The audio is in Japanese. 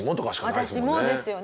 「私も」ですよね。